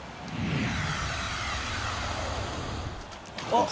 あっ。